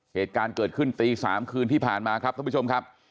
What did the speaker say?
เหตุการณ์เกิดขึ้นตี๓คืนที่ผ่านมาครับท่านผู้ชมครับ